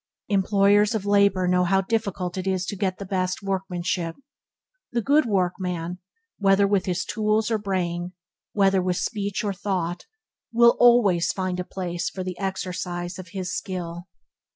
Employers of labour know how difficult it is to get the best workmanship. The good workman, whether with tools or brain, whether with speech or thought, will always find a place for the exercise of his skill.